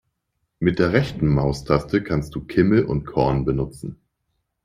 Mit der rechten Maustaste kannst du Kimme und Korn benutzen.